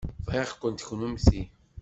Bɣiɣ-kent kennemti.